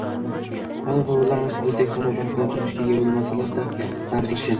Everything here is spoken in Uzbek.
Ota-bobolarimiz bizdek farovon, qulay turmushga ega bo‘lmasalar-da, qanoat qilishgan.